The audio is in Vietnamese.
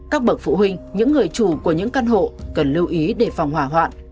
các bậc phụ huynh những người chủ của những căn hộ cần lưu ý để phòng hỏa hoạn